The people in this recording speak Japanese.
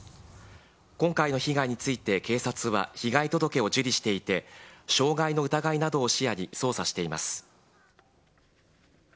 今回の被害について、警察は、被害届を受理していて、傷害の疑いなどを視野に捜査しています。